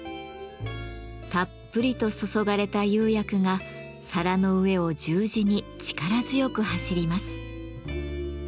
たっぷりと注がれた釉薬が皿の上を十字に力強く走ります。